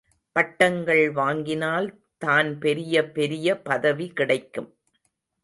பட்டங்கள் வாங்கினால் தான் பெரியபெரிய பதவி கிடைக்கும்.